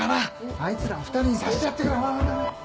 あいつらを２人にさせてやってくれほらほらほら。